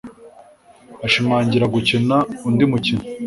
Ashimangira gukina undi mukino